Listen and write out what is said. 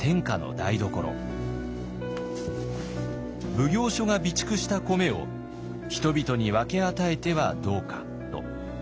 奉行所が備蓄した米を人々に分け与えてはどうかと。